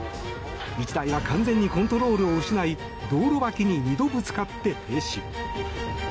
１台は完全にコントロールを失い道路脇に２度ぶつかって停止。